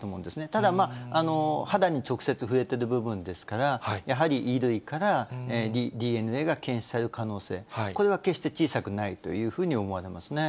ただ、肌に直接触れてる部分ですから、やはり衣類からＤＮＡが検出される可能性、これは決して小さくないというふうに思われますね。